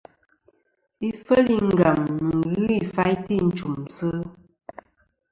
Ifel i Ngam nɨn ghɨ ifaytɨ i nchùmsɨ.